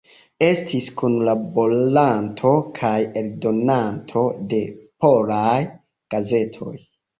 Estis kunlaboranto kaj eldonanto de polaj gazetoj.